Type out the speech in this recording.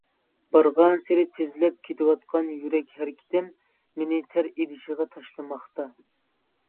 بارغانسېرى تېزلەپ كېتىۋاتقان يۈرەك ھەرىكىتىم، مېنى تەر ئىدىشىغا تاشلىماقتا.